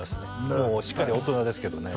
もうしっかり大人ですけどね